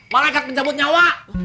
malaikat penjabut nyawa